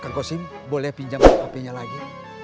pak kwasim boleh pinjamin hpnya lagi